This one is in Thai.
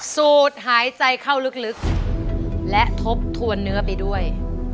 สูดหายใจเข้าลึกและทบทวนเนื้อไปด้วย